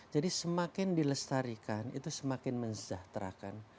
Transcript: jadi semakin dilestarikan itu semakin menjahatkan